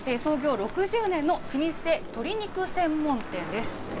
創業６０年の老舗、鶏肉専門店です。